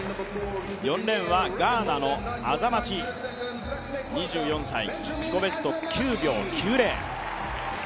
４レーンはガーナ２４歳、自己ベスト９秒９０。